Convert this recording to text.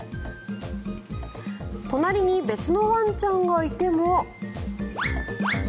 隣に別のワンちゃんがいても。